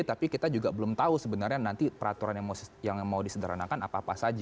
tapi kita juga belum tahu sebenarnya nanti peraturan yang mau disederhanakan apa apa saja